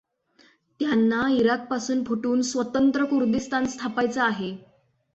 त्यांना इराकपासून फुटून स्वतंत्र कुर्दिस्तान स्थापायचा आहे.